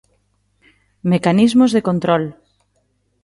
Mecanismos de control.